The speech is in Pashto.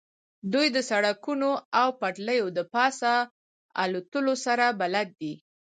دوی د سړکونو او پټلیو د پاسه الوتلو سره بلد دي